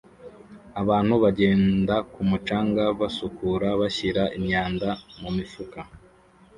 Abantu bagenda ku mucanga basukura bashira imyanda mumifuka